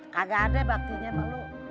kagak ada baktinya sama lu